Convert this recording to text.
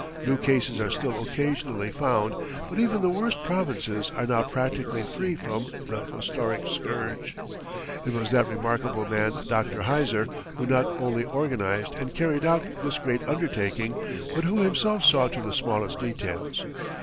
New cases are still occasionally found, but even the worst provinces are now practically free from the historic scourge. It was that remarkable man, Dr. Heiser, who not only organized and carried out this great undertaking, but who himself saw to the smallest details.